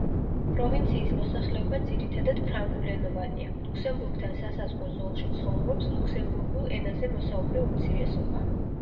პროვინციის მოსახლეობა ძირითადად ფრანგულენოვანია, ლუქსემბურგთან სასაზღვრო ზოლში ცხოვრობს ლუქსემბურგულ ენაზე მოსაუბრე უმცირესობა.